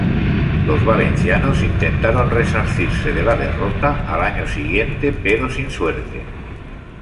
Los valencianos intentaron resarcirse de la derrota al año siguiente, pero sin suerte.